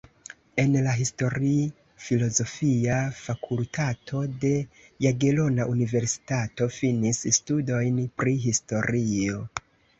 En la Histori-Filozofia Fakultato de Jagelona Universitato finis studojn pri historio.